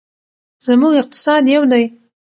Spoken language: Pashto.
زموږ اقتصاد یو دی.